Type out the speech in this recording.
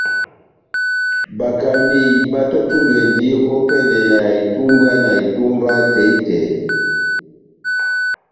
Bakaneyi batɔ́tudwɛndi opɛlɛ ya itumbwana etómba tɛhi-tɛhi.